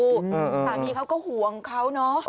สามีเขาก็ห่วงเขาเนอะ